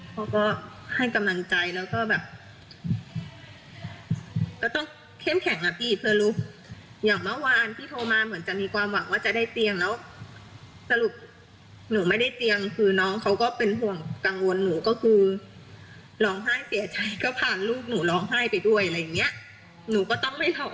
เขาก็ให้กำลังใจแล้วก็แบบก็ต้องเข้มแข็งอ่ะพี่เพื่อลูกอย่างเมื่อวานที่โทรมาเหมือนจะมีความหวังว่าจะได้เตียงแล้วสรุปหนูไม่ได้เตียงคือน้องเขาก็เป็นห่วงกังวลหนูก็คือร้องไห้เสียใจก็ผ่านลูกหนูร้องไห้ไปด้วยอะไรอย่างเงี้ยหนูก็ต้องไม่เผา